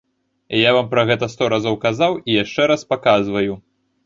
Я вам пра гэта сто разоў казаў, і яшчэ раз паказваю.